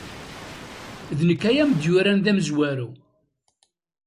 D nekk ay am-d-yuran d amezwaru.